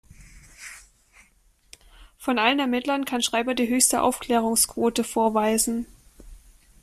Von allen Ermittlern kann Schreiber die höchste Aufklärungsquote vorweisen.